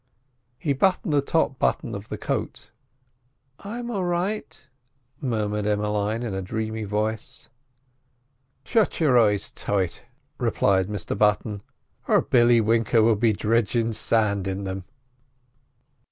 He buttoned the top button of the coat. "I'm a'right," murmured Emmeline in a dreamy voice. "Shut your eyes tight," replied Mr Button, "or Billy Winker will be dridgin' sand in them.